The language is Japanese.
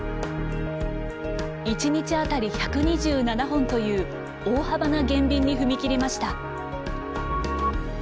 １日当たり１２７本という大幅な減便に踏み切りました。